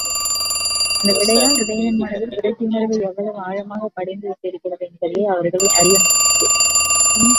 அந்த விடையால் உதயணன் மனத்தில் விரக்தியுணர்வு எவ்வளவு ஆழமாகப் படிந்து விட்டிருக்கிறது என்பதையே அவர்கள் அறிய முடந்தது.